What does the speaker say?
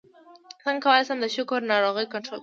څنګه کولی شم د شکر ناروغي کنټرول کړم